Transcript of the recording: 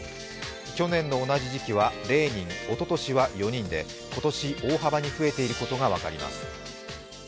去年の同じ時期は０人、おととしは４人で今年、大幅に増えていることが分かります。